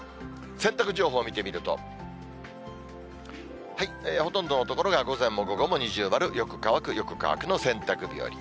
洗濯情報見てみると、ほとんどの所が午前も午後も二重丸、よく乾く、よく乾くの洗濯日和。